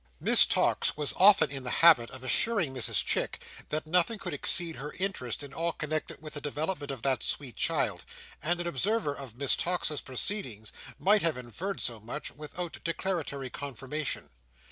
Miss Tox was often in the habit of assuring Mrs Chick, that nothing could exceed her interest in all connected with the development of that sweet child; and an observer of Miss Tox's proceedings might have inferred so much without declaratory confirmation.